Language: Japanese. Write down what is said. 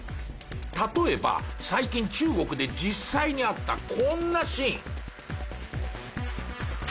例えば最近中国で実際にあったこんなシーン。